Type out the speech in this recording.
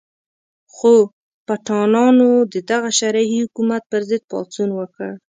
خو پټانانو د دغه شرعي حکومت په ضد پاڅون وکړ.